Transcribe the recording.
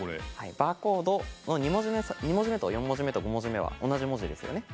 バーコードの２文字目と４文字目と５文字目が同じ文字ですね。